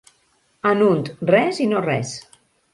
En unt res i no res.